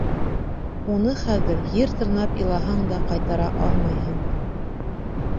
Уны хәҙер, ер тырнап илаһаң да, ҡайтара алмайһың...